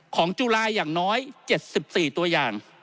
จุฬาอย่างน้อย๗๔ตัวอย่าง